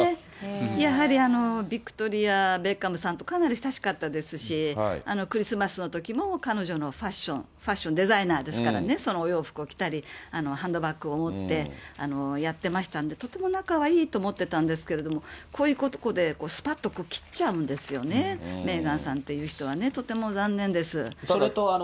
やはりビクトリア・ベッカムさんとかなり親しかったですし、クリスマスのときも彼女のファッション、ファッションデザイナーですからね、そのお洋服を着たり、ハンドバッグを持ってやってましたんで、とても仲がいいと思ってたんですけれども、こういうことですぱっと切っちゃうんですよね、メーガンさんという人はね、とても残念です。